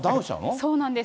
そうなんです。